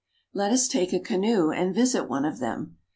Let us take a canoe and visit one of them.